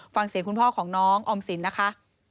ฟังเสียงคุณพ่อของน้องออมสินนะคะ